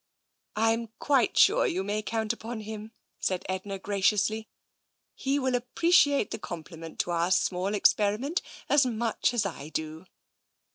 "I am quite sure you may count upon him," said Edna graciously. " He will appreciate the compliment to our small experiment as much as I do."